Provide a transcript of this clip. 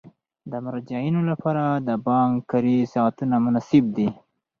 د مراجعینو لپاره د بانک کاري ساعتونه مناسب دي.